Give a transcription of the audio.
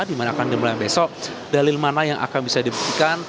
dimana akan dimulai besok dalil mana yang akan bisa dibuktikan